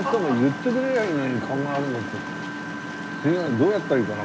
どうやったらいいかな？